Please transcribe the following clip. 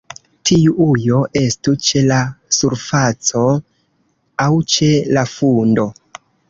Tiu ujo estu ĉe la surfaco aŭ ĉe la fundo.